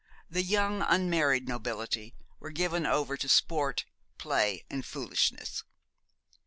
The young unmarried nobility were given over to sport, play, and foolishness.